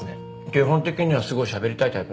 基本的にはすごいしゃべりたいタイプなんで。